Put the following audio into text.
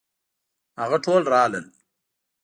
هغه ټول راغلل.